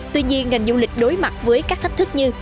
tuy nhiên ngành du lịch đối mặt với các thách thức như